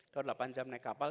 atau delapan jam naik kapal